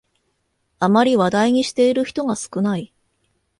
あまり話題にしている人が少ない